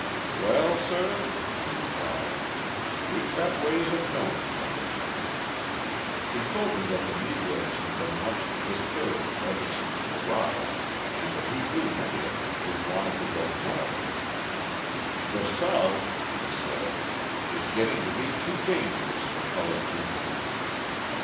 "Well, sir," he replied, "we've got ways of knowing things." He told me that the Negroes had been much disturbed ever since the riot and that he knew many of them who wanted to go North. "The South," he said, "is getting to be too dangerous for coloured people."